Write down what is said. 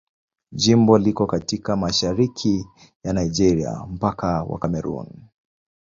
Jimbo liko katika mashariki ya Nigeria, mpakani wa Kamerun.